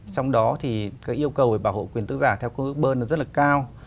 trong đó thì cái yêu cầu để bảo hộ quyền tác giả theo công ước burn rất là cao